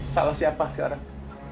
salah siapa sekarang